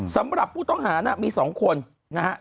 สำหรับผู้ต้องหามี๒คน